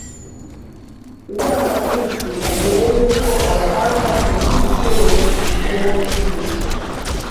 Imyaka myinshi mbere y’uko abahanga mu by’imiterere imikorere y’umubiri